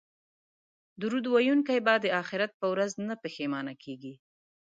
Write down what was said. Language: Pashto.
درود ویونکی به د اخرت په ورځ نه پښیمانه کیږي